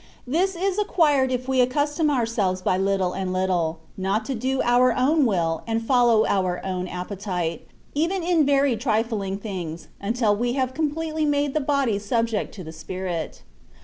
This is acquired if we accustom ourselves by little and little — ^not to do our own will and follow our own appetite, even in very trifling things, until we have completely made the body subject to the spirit.